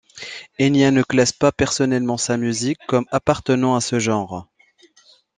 Enya ne classe pas personnellement sa musique comme appartenant à ce genre.